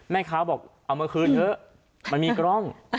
แม่ค้าบอกเอามาคืนเถอะมันมีกล้อง